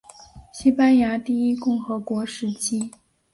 西班牙第一共和国时期。